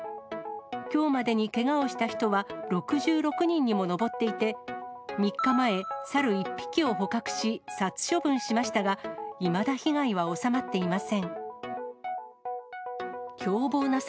きょうまでにけがをした人は６６人にも上っていて、３日前、サル１匹を捕獲し、殺処分しましたが、いまだ被害は収まっていません。